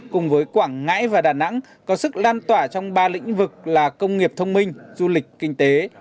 cùng với quảng ngãi và đà nẵng có sức lan tỏa trong ba lĩnh vực là công nghiệp thông minh du lịch kinh tế